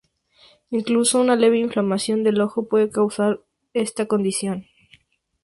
Incluso una leve inflamación del ojo puede causar esta condición.